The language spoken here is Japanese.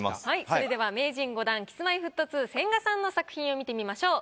それでは名人５段Ｋｉｓ−Ｍｙ−Ｆｔ２千賀さんの作品を見てみましょう。